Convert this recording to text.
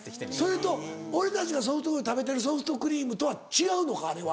それと俺たちが食べてるソフトクリームとは違うのかあれは。